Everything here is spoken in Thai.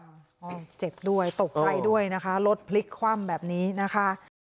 เจ็บด้วยตกใจด้วยนะคะรถพลิกคว่ำแบบนี้นะคะ